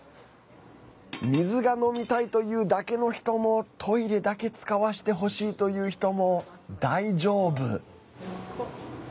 水が飲みたいというだけの人もトイレだけ使わせてほしいという人も大丈夫。